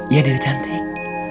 ya diri cantik